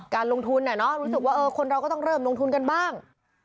การลงทุนรู้สึกว่าคนเราก็ต้องเริ่มลงทุนกันบ้าง